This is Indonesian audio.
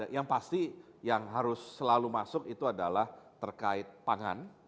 yang pasti yang harus selalu masuk itu adalah terkait pangan